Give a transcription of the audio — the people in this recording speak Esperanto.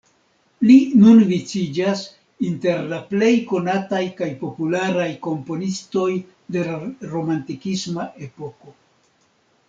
Li nun viciĝas inter la plej konataj kaj popularaj komponistoj de la romantikisma epoko.